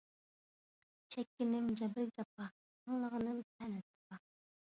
چەككىنىم جەبر-جاپا، ئاڭلىغىنىم تەنە – تاپا